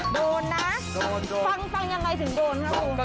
โดนนะฟังอย่างไรถึงโดนครับผมโดน